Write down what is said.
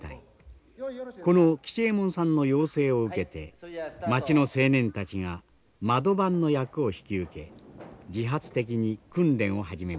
この吉右衛門さんの要請を受けて町の青年たちが窓番の役を引き受け自発的に訓練を始めました。